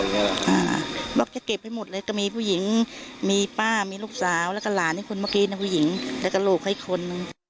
บอกจะเก็บให้หมดเลยก็มีผู้หญิงมีป้ามีลูกสาวแล้วก็หลานให้คนเมื่อกี้ผู้หญิงแล้วก็ลูกให้คนนึง